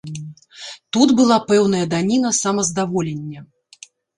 Тут была пэўная даніна самаздаволення.